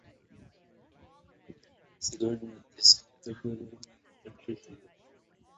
Sigurd met his end in a brutal manner, tortured to death.